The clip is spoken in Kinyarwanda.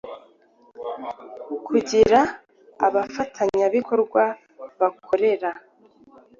kugira abafatanyabikorwa bakorera